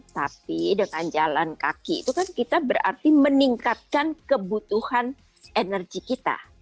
tapi dengan jalan kaki itu kan kita berarti meningkatkan kebutuhan energi kita